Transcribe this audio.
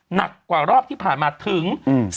หนักกว่ารอบที่ผ่านมาถึง